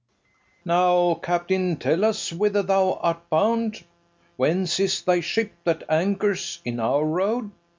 FERNEZE. Now, captain, tell us whither thou art bound? Whence is thy ship that anchors in our road?